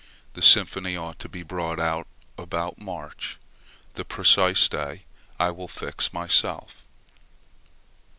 The Symphony ought to be brought out about March; the precise day I will fix myself.